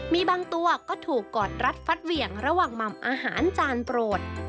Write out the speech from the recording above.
มีบางตัวก็ถูกกอดรัดฟัดเหวี่ยงระหว่างหม่ำอาหารจานโปรด